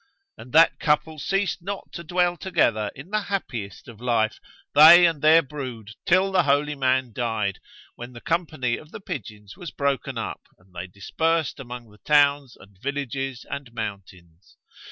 And that couple ceased not to dwell together in the happiest of life, they and their brood till the holy man died, when the company of the pigeons was broken up and they dispersed among the towns and villages and mountains.